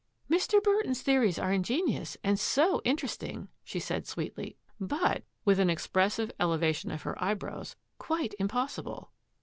^^ Mr. Burton's theories are ingenious and io interesting," she said sweetly, " but "— with an expressive elevation of her eyebrows —^^ quite im possible."